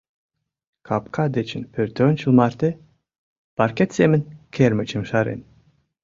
Капка дечын пӧртӧнчыл марте паркет семын кермычым шарен.